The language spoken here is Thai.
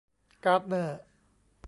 การ์ดเนอร์